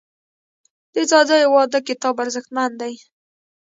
د ځاځیو واده کتاب ارزښتمن دی.